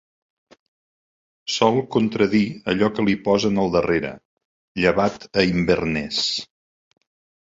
Sol contradir allò que li posen al darrere, llevat a Inverness.